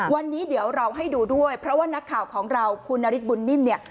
วันนี้เดี๋ยวเราให้ดูด้วยเพราะว่านักข่าวของเราคุณนฤทธบุญนิ่มเนี่ย